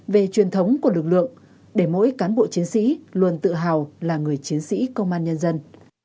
về truyền thống của lực lượng để mỗi cán bộ chiến sĩ luôn tự hào là người chiến sĩ công an nhân dân